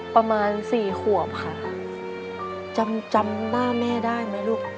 ประมาณสี่ขวบค่ะจำจำหน้าแม่ได้ไหมลูก